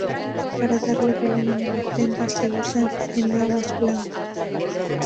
Para darle volumen a la prenda se usan enaguas blancas.